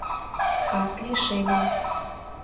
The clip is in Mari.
Кас лишемын.